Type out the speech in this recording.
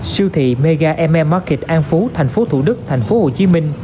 sưu thị mega ml market an phú tp thủ đức tp hcm